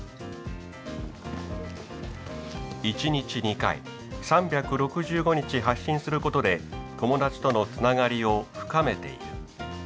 一日２回３６５日発信することで友達とのつながりを深めている。